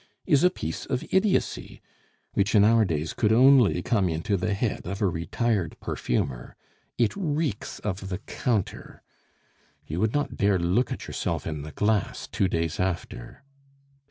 is a piece of idiocy which in our days could only come into the head of a retired perfumer. It reeks of the counter. You would not dare look at yourself in the glass two days after.